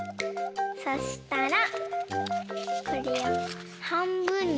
そしたらこれをはんぶんにおります。